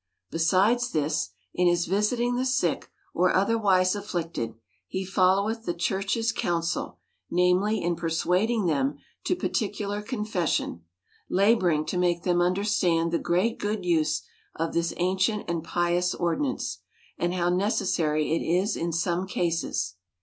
Besides this, in his visiting the sick or otherwise afflicted, he follow eth the church's counsel, namely, in persuading them to particular confession ; laboring to make them under stand the great good use of this ancient and pious ordi nance, and how necessary it is in some cases.